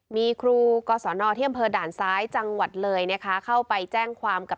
มีครูกอาศหนอเพียงบัดซ้ายจังหวัดเหลยนะคะเข้าไปแจ้งความกับ